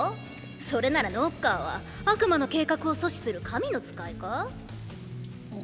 それならノッカーは悪魔の計画を阻止する神の使いか？